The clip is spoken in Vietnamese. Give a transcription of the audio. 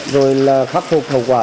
rồi là khắc phục hậu quả